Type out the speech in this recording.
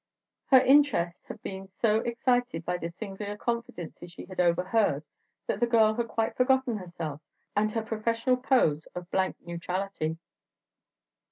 Her interest had been so excited by the singular confidences she had overheard that the girl had quite forgotten herself and her professional pose of blank neutrality.